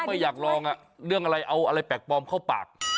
ไม่อยากลองเรื่องอะไรเอาอะไรแปลกปลอมเข้าปาก